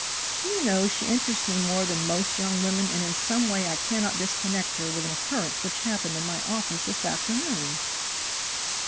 Do you know, she interests me more than most young women, and in some way I cannot disconnect her with an occurrence which happened in my office this afternoon."